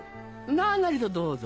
何なりとどうぞ。